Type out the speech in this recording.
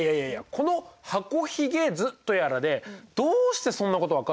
この箱ひげ図とやらでどうしてそんなこと分かるのよ？